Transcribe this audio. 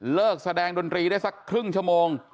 เลิกแสดงดนตรีได้สักครึ่งชั่วโมง